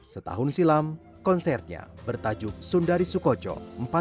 setahun silam konsernya bertajuk sundari sukojo empat puluh tahun berkarya